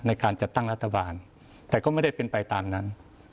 ในการจัดตั้งรัฐบาลแต่ก็ไม่ได้เป็นไปตามนั้น